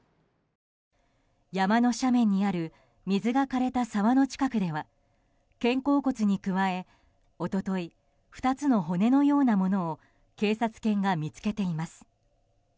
山の斜面にある水が枯れた沢の近くでは肩甲骨に加え一昨日、２つの骨のようなものを警察犬が見つけています。